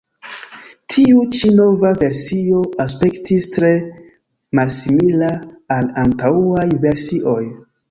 Tiu ĉi nova versio aspektis tre malsimila al antaŭaj versioj.